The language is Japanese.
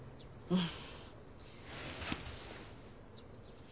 うん。